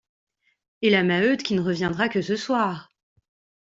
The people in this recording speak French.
Et la Maheude qui ne reviendra que ce soir !